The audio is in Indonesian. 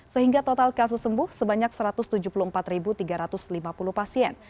sehingga total kasus sembuh sebanyak satu ratus tujuh puluh empat tiga ratus lima puluh pasien